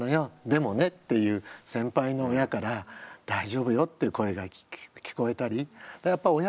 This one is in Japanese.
でもね」っていう先輩の親から「大丈夫よ」っていう声が聞こえたりやっぱあああ